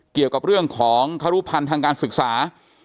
เกี่ยวกับเรื่องของครุพันธ์ทางการศึกษา